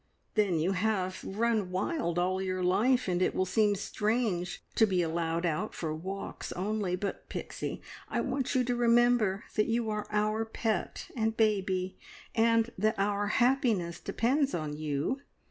Then you have run wild all your life, and it will seem strange to be allowed out for walks only; but, Pixie, I want you to remember that you are our pet and baby, and that our happiness depends on you.